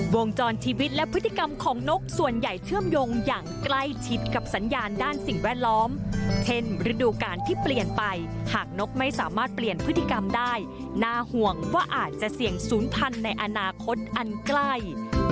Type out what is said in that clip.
วงจรชีวิตและพฤติกรรมของนกส่วนใหญ่เชื่อมโยงอย่างใกล้ชิดกับสัญญาณด้านสิ่งแวดล้อมเช่นฤดูการที่เปลี่ยนไปหากนกไม่สามารถเปลี่ยนพฤติกรรมได้น่าห่วงว่าอาจจะเสี่ยงศูนย์พันธุ์ในอนาคตอันใกล้